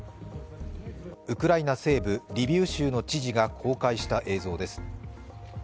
ウクライナ西部リビウ州の知事が公開した映像です。